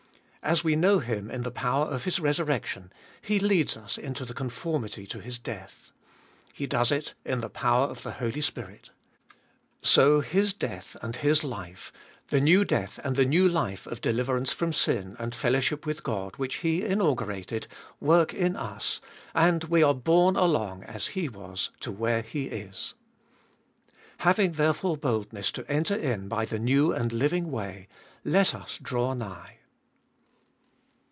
As we know Him in the power of His resurrection, He leads us into the conformity to His death. He does it in the power of the Holy Spirit. So His death and His life, the new death and the new life of deliverance from sin, and fellowship with God, which He inau gurated, work in us, and we are borne along as He was to where He is. Having therefore boldness, to enter in by the new and living way, let us draw nigh.